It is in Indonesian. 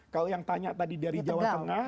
kalau yang tanya tadi dari jawa tengah